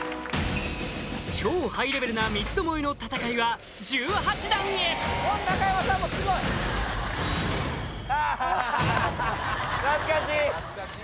超ハイレベルな三つどもえの戦いは１８段へ懐かしい！